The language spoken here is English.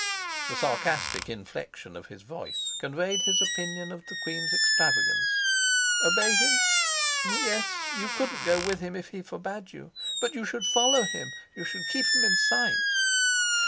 The sarcastic inflection of his voice conveyed his opinion of the queen's extravagance. "Obey him? Yes. You couldn't go with him if he forbade you. But you should follow him; you should keep him in sight."